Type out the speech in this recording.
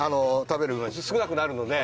食べる場所少なくなるので。